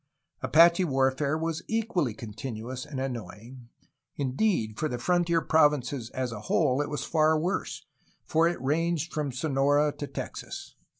Apache warfare was equally continuous and annoying; indeed, for the frontier provinces as a whole it was far worse, as it ranged from Sonora to Texas.